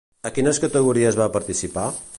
A quines categories va participar?